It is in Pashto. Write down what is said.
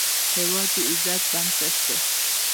هېواد د عزت بنسټ دی.